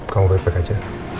kamu baik baik aja